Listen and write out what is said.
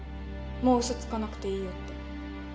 もう嘘つかなくていいよって。